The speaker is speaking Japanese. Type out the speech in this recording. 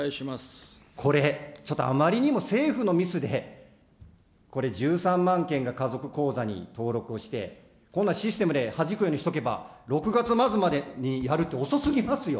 これ、ちょっとあまりにも、政府のミスで、これ１３万件が家族口座に登録をして、こんなシステムではじくようにしとけば６月末までにやるって遅すぎますよ。